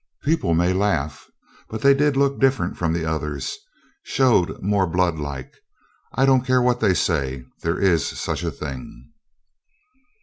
People may laugh, but they did look different from the others showed more blood like. I don't care what they say, there is such a thing.